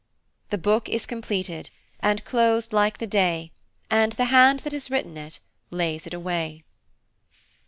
The book is completed And closed like the day, And the hand that has written it Lays it away.